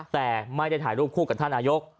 แต่ไม่ได้ถ่ายรูปคู่กับท่านนายก